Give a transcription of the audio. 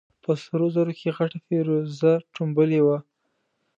په سرو زرو کې غټه فېروزه ټومبلې وه.